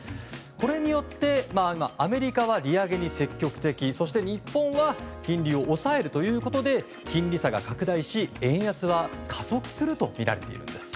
これによってアメリカは利上げに積極的そして日本は金利を抑えるということで金利差が拡大し、円安は加速するとみられているんです。